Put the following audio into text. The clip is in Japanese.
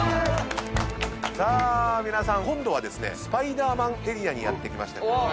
皆さん今度はスパイダーマンエリアにやって来ました。